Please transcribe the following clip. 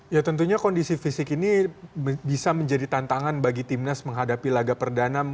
ya tentunya kondisi fisik ini bisa menjadi tantangan bagi timnas menghadapi laga perdana